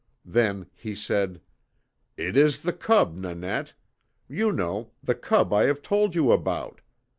Then he said: "It is the cub, Nanette. You know the cub I have told you about.